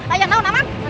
tanya tau namanya